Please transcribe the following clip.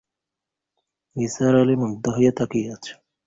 কোনো কথা না বলিয়া শচীশের মুখের দিয়ে চাহিয়া রহিলাম।